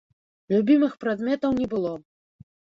Любімых прадметаў не было.